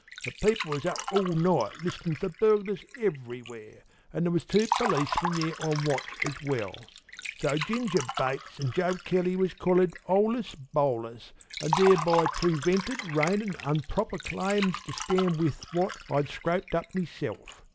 The people was up all night, listenin' for burglars everywhere, an' there was two policemen there on watch as well. So Ginger Bates an' Joe Kelly was collared holus bolus, an' thereby prevented rainin' unproper claims to stand in with what I'd scraped up myself.